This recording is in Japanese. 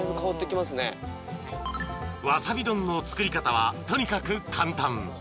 ［わさび丼の作り方はとにかく簡単］